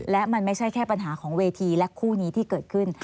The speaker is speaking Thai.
และมันไม่ใช่แค่ปัญหาของเวทีและคู่นี้ที่เกิดขึ้น